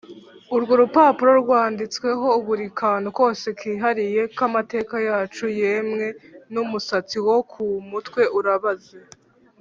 urwo rupapuro rwanditsweho buri kantu kose kihariye k’amateka yacu; yemwe n’umusatsi wo ku mutwe urabaze